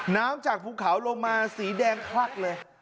น้ำจากภูเขาลงมาสีแดงคลักเลย